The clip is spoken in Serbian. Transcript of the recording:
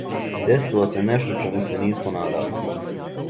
Десило се нешто чему се нисмо надали.